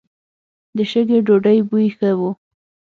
د شګې ډوډۍ بوی ښه و.